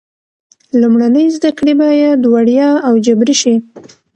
لومړنۍ زده کړې باید وړیا او جبري شي.